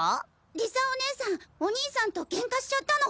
理沙お姉さんお兄さんとケンカしちゃったの？